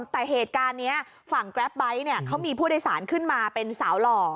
แต่เหตุการณ์นี้ฝั่งแกรปไบท์เนี่ยเขามีผู้โดยสารขึ้นมาเป็นสาวหล่อ